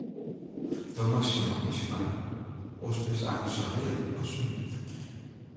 Do moatst dy no ynsmarre, oars bist aanst sa read as in byt.